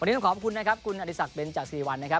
วันนี้ผมขอบคุณคุณอธิสักเป็นจากซิริวัล